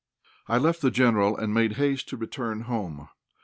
I left the General and made haste to return home.